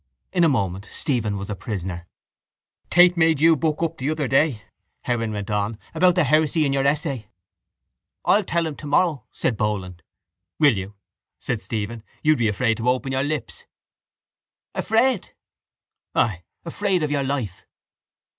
In a moment Stephen was a prisoner. —Tate made you buck up the other day, Heron went on, about the heresy in your essay. —I'll tell him tomorrow, said Boland. —Will you? said Stephen. You'd be afraid to open your lips. —Afraid? —Ay. Afraid of your life.